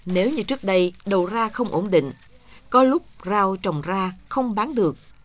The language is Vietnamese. nếu như trước đây đầu ra không ổn định có lúc rau trồng ra không bán được